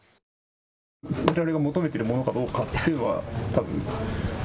われわれが求めているものかどうかというのはたぶん。